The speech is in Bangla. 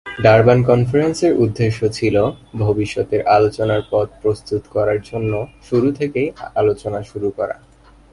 ডারবান কনফারেন্সের উদ্দেশ্য ছিল ভবিষ্যতের আলোচনার পথ প্রস্তুত করার জন্য শুরু থেকেই আলোচনা শুরু করা।